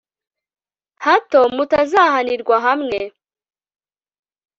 hato mutazahanirwa hamwe